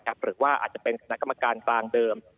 หรือว่าอาจจะเป็นคณะกรรมการกลางเดิม